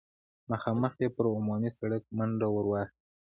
مخامخ يې پر عمومي سړک منډه ور واخيسته.